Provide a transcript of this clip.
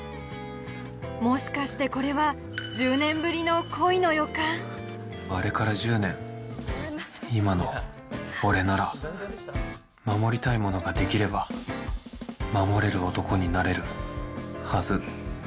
もしかしてこれはあれから１０年今の俺なら守りたいものができれば守れる男になれるはず。